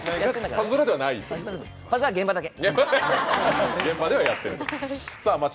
「パズドラ」は現場だけ。